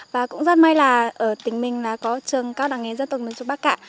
và cũng rất may là ở tỉnh mình là có trường cao đẳng nghề dân tộc miền núi bắc cạn